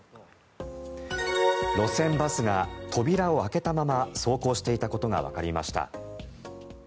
路線バスが扉を開けたまま走行していたことがわかりました。